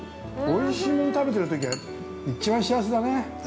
おいしいもん食べてるときは、一番幸せだね。